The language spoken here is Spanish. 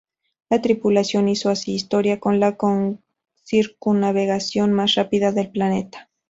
La tripulación hizo así historia, con la circunnavegación más rápida del planeta.